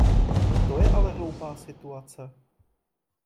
To je ale hloupá situace.